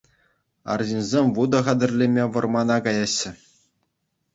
Арҫынсем вутӑ хатӗрлеме вӑрмана каяҫҫӗ.